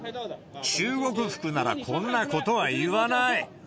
中国服ならこんなことは言わない。